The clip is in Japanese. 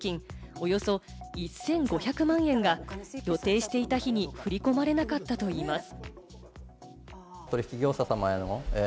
およそ１５００万円が予定していた日に振り込まれなかったといいます。